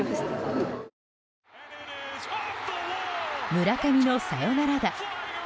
村上のサヨナラ打。